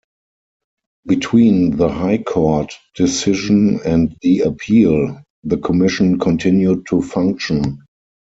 Between the High Court decision and the appeal, the Commission continued to function.